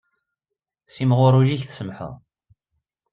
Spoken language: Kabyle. Simɣur ul-ik tsemmḥeḍ.